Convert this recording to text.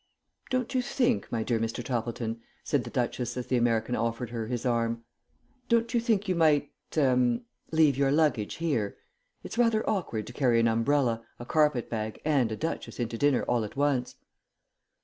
"Don't you think, my dear Mr. Toppleton," said the Duchess as the American offered her his arm, "don't you think you might ah leave your luggage here? It's rather awkward to carry an umbrella, a carpet bag, and a Duchess into dinner all at once."